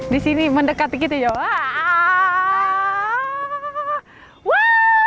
disini mendekat sedikit ya